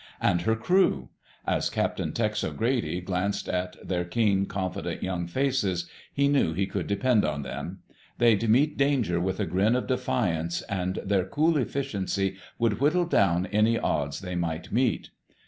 And her crew! As Captain Tex O'Grady glanced at their keen, confident young faces, he knew he could depend on them. They'd meet danger with a grin of defiance and their cool efficiency would whittle down any odds they might meet.